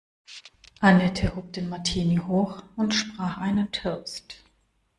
Annette hob den Martini hoch und sprach ein Toast.